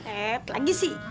eh lagi sih